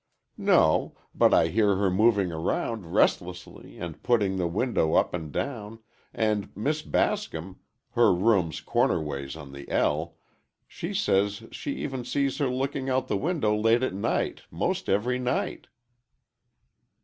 "No, but I hear her moving around restlessly, and putting the window up and down—and Miss Bascom—her room's cornerways on the ell, she says she sees her looking out the window late at night 'most every night."